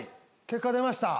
結果出ました。